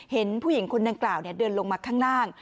เห็นผู้หญิงคนดังกล่าวเดินลงมาข้างล่าง